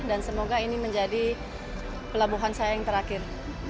dan semoga ini menjadi pelabuhan saya yang terakhir